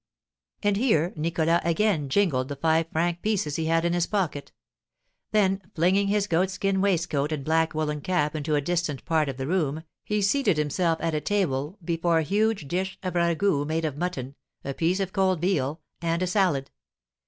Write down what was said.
And here Nicholas again jingled the five franc pieces he had in his pocket; then flinging his goatskin waistcoat and black woollen cap into a distant part of the room, he seated himself at table before a huge dish of ragout made of mutton, a piece of cold veal, and a salad.